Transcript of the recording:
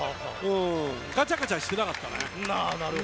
ガチャガチャしてなかったね。